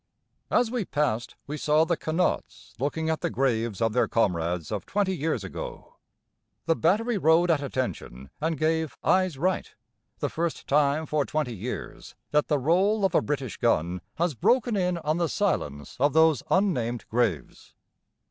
As we passed we saw the Connaughts looking at the graves of their comrades of twenty years ago. The Battery rode at attention and gave "Eyes right": the first time for twenty years that the roll of a British gun has broken in on the silence of those unnamed graves.